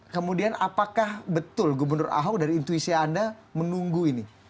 kemudian apakah betul gubernur ahok dari intuisi anda menunggu ini